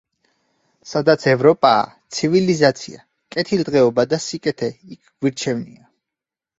სადაც ევროპაა, ცივილიზაცია, კეთილდღეობა და სიკეთე, იქ გვირჩევნია.